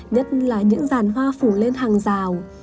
nhất là những ràn hoa phủ lên hàng rào